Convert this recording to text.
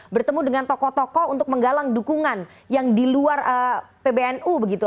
bertemu dengan tokoh tokoh untuk menggalang dukungan yang di luar pbnu begitu